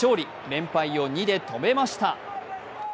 連敗を２で止めました。